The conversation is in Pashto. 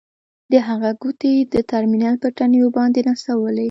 د هغه ګوتې د ټرمینل په تڼیو باندې نڅولې